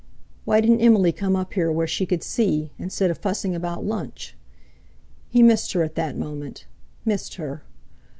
Why didn't Emily come up here where she could see, instead of fussing about lunch. He missed her at that moment—missed her!